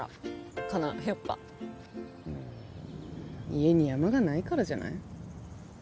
家に山がないからじゃない？